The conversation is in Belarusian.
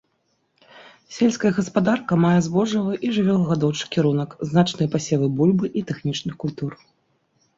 Сельская гаспадарка мае збожжавы і жывёлагадоўчы кірунак, значныя пасевы бульбы і тэхнічных культур.